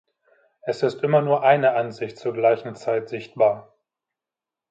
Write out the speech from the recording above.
Es ist immer nur eine Ansicht zur gleichen Zeit sichtbar.